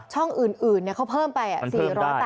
ช่องอื่นเขาเพิ่มไป๔๘๐